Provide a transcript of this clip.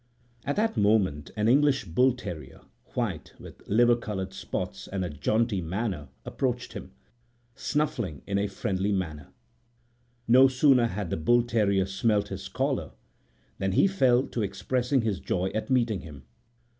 At that moment an English bull terrier, white, with liver colored spots and a jaunty manner, approached him, snuffling in a friendly way. No sooner had the bull terrier smelt his collar than he fell to expressing his joy at meeting him.